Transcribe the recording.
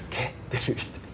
デビューして。